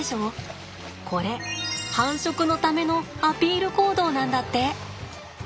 これ繁殖のためのアピール行動なんだって。